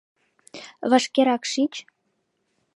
— Вашкерак шич!